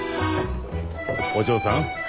お嬢さん。